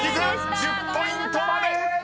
［１０ポイントまで！］